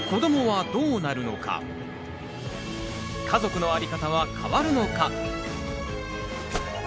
家族のあり方は変わるのか？